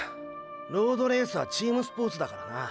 ロードレースはチームスポーツだからな。